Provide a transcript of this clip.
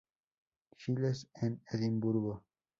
Giles en Edimburgo.